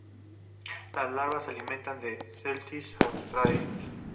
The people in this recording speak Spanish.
Las larvas se alimentan de "Celtis australis".